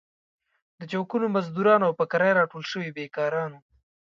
د چوکونو مزدوران او په کرايه راټول شوي بېکاران وو.